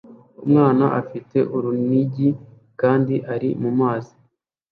Umwana afite urunigi kandi ari mumazi